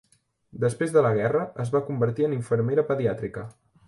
Després de la guerra, es va convertir en infermera pediàtrica.